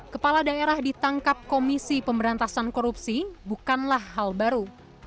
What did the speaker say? kepala daerah ditangkap komisi pemberantasan korupsi bukanlah hal baru